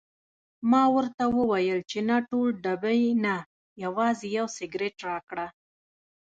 ما ورته وویل چې نه ټول ډبې نه، یوازې یو سګرټ راکړه.